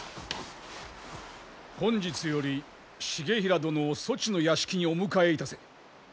本日より重衡殿をそちの屋敷にお迎えいたせ。